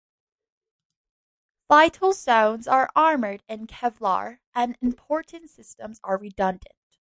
Vital zones are armoured in Kevlar, and important systems are redundant.